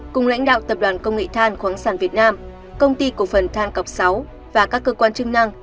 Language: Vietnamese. cùng lãnh đạo tập đoàn công nghệ than khoáng sản việt nam công ty cổ phần than cọc sáu và các cơ quan chức năng